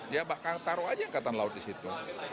dia bahkan taruh aja angkatan laut disitu